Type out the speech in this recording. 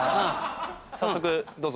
早速どうぞ。